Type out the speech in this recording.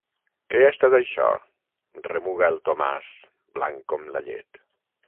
Què ha estat, això? –remuga el Tomàs, blanc com la llet–.